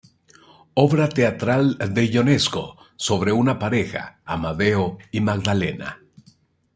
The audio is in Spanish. Obra teatral de Ionesco, sobre una pareja, Amadeo y Magdalena.